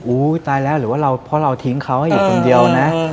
ตายแล้วหรือว่าเพราะเราทิ้งเขาให้อยู่คนเดียวนะ